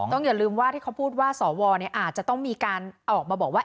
อย่าลืมว่าที่เขาพูดว่าสวอาจจะต้องมีการออกมาบอกว่า